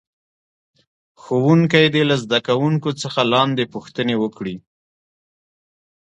ښوونکی دې له زده کوونکو څخه لاندې پوښتنې وکړي.